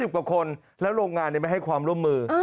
กว่าคนแล้วโรงงานไม่ให้ความร่วมมือ